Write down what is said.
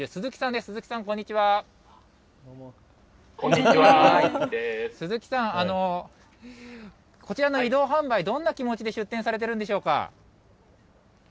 すずきさん、こちらの移動販売、どんな気持ちで出店されてるんでしょうか？